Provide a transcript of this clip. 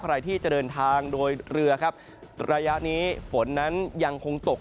ใครที่จะเดินทางโดยเรือครับระยะนี้ฝนนั้นยังคงตก